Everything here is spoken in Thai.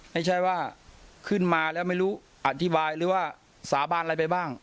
ไม่ใช่ว่าขึ้นมาแล้วไม่รู้อธิบายหรือว่าสาบานอะไรไปบ้าง